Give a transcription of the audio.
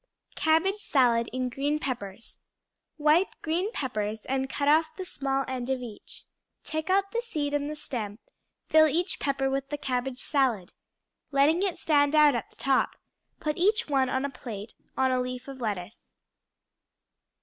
Cabbage Salad in Green Peppers Wipe green peppers and cut off the small end of each. Take out the seed and the stem; fill each pepper with the cabbage salad, letting it stand out at the top; put each one on a plate on a leaf of lettuce.